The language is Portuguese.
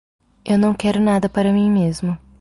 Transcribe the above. Eu não quero nada para mim mesmo.